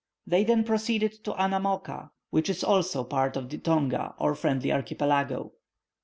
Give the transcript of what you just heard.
They then proceeded to Annamooka, which is also part of the Tonga, or Friendly archipelago.